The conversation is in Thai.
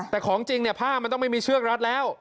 แต่ของจริงเนี่ยผ้ามันต้องไม่มีเชือกรัดแล้ว